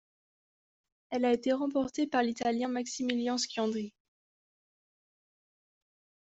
Elle a été remportée par l'Italien Maximilian Sciandri.